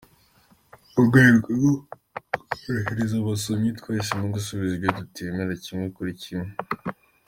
Mu rwego rwo korohereza abasomyi, twahisemo gusubiza ibyo tutemera kimwe kuri kimwe.